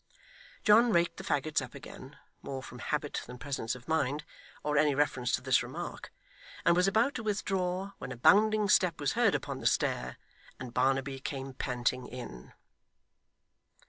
John raked the faggots up again, more from habit than presence of mind, or any reference to this remark, and was about to withdraw, when a bounding step was heard upon the stair, and Barnaby came panting in.